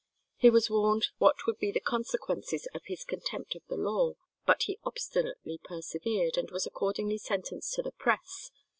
He was warned what would be the consequences of his contempt of the law, but he obstinately persevered, and was accordingly sentenced to the press.